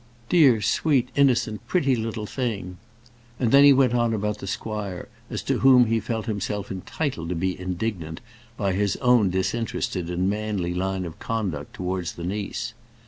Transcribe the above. Dear, sweet, innocent, pretty little thing!" And then he went on about the squire, as to whom he felt himself entitled to be indignant by his own disinterested and manly line of conduct towards the niece.